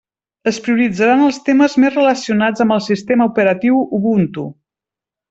Es prioritzaran els temes més relacionats amb el sistema operatiu Ubuntu.